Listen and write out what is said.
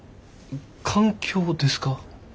環境ですか？